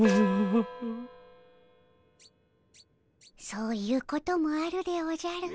そういうこともあるでおじゃる。